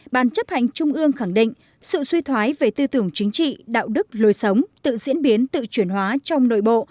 ban chấp hành trung ương khẳng định sự suy thoái về tư tưởng chính trị đạo đức lối sống tự diễn biến tự chuyển hóa trong nội bộ